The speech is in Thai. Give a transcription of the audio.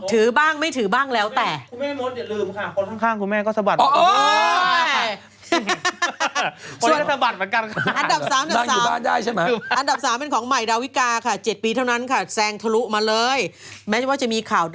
ถือบ้างไม่ถือบ้างแล้วแต่คุณแม่มดอย่าลืมค่ะคนข้างคุณแม่ก็สะบัด